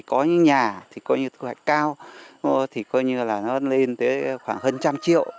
có những nhà thu hoạch cao nó lên tới khoảng hơn trăm triệu